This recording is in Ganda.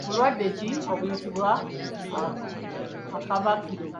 Bulwadde ki obuyitibwa akabakiro?